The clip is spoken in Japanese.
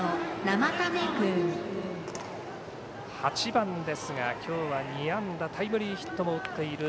８番ですが、今日は２安打タイムリーヒットも打っている